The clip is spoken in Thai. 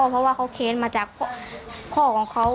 เพราะว่าเขาเค้นมาจากพ่อของเขา